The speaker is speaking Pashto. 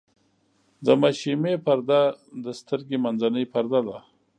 د مشیمیې پرده د سترګې منځنۍ پرده ده.